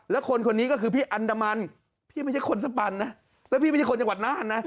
แล้วคนคนนี้ก็คือพี่อันดามันพี่ไม่ใช่คนสปันนะแล้วพี่ไม่ใช่คนจังหวัดน่านนะ